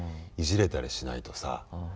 いじれたりしないとさ。